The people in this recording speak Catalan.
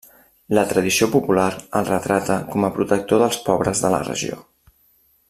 La tradició popular el retrata com a protector dels pobres de la regió.